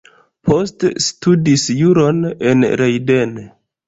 Poste studis juron en Leiden.